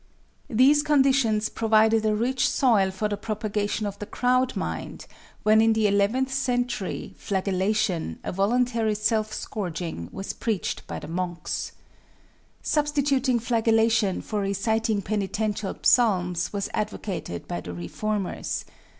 These conditions provided a rich soil for the propagation of the crowd mind when, in the eleventh century, flagellation, a voluntary self scourging, was preached by the monks. Substituting flagellation for reciting penitential psalms was advocated by the reformers.